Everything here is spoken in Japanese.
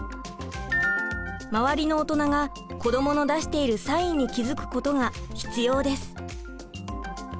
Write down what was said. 周りの大人が子どもの出しているサインに気づくことが必要です。